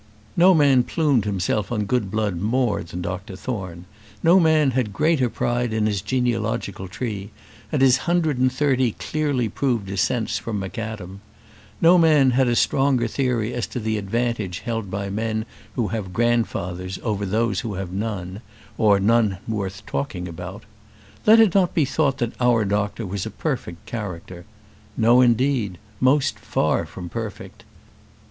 No man plumed himself on good blood more than Dr Thorne; no man had greater pride in his genealogical tree, and his hundred and thirty clearly proved descents from MacAdam; no man had a stronger theory as to the advantage held by men who have grandfathers over those who have none, or have none worth talking about. Let it not be thought that our doctor was a perfect character. No, indeed; most far from perfect.